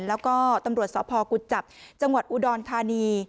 แล้วก็ตำรวจสพกุจจับจังหวัดอุดรธานี